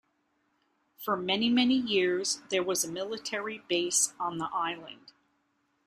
For many, many years there was a military base on the island.